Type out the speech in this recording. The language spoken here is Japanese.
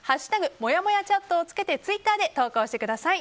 「＃もやもやチャット」をつけてツイッターで投稿してください。